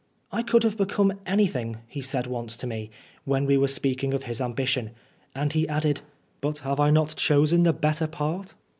" I could have become anything," he said once to me, when we were speaking of his ambition. And he added, " But have I not chosen the better part